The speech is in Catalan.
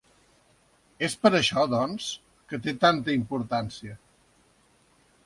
És per això doncs, que té tanta importància.